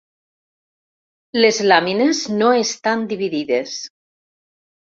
Les làmines no estan dividides.